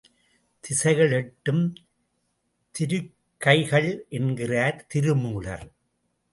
திசைகள் எட்டும் திருக்கைகள் என்கிறார் திருமூலர்.